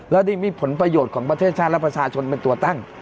และนี่มีผลประโยชน์ของประเทศชาติและประชาชนเป็นตัวตั้ง